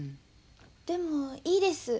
でもいいです。